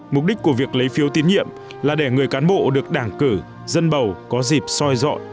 mục đích của việc lấy phiếu tín nhiệm là để người cán bộ được đảng cử dân bầu có dịp soi dọi